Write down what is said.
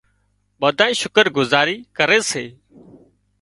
ٻڌانئين شڪر گذاري ڪري سي